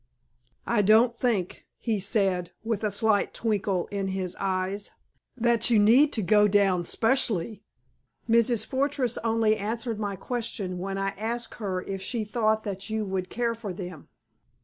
"I don't think," he said, with a slight twinkle in his eyes, "that you need go down specially. Mrs. Fortress only answered my question when I asked her if she thought that you would care for them."